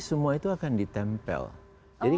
semua itu akan ditempel jadi